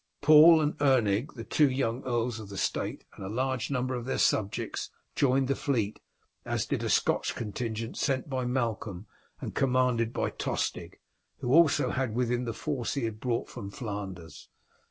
Paul and Erning, the two young earls of the state, and a large number of their subjects, joined the fleet, as did a Scotch contingent sent by Malcolm and commanded by Tostig, who also had with him the force he had brought from Flanders.